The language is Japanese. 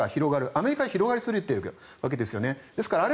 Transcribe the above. アメリカは広がりすぎているわけですね。